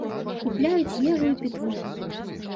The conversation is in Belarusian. Купляюць ежу і пітво.